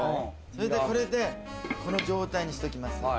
これで、この状態にしておきます。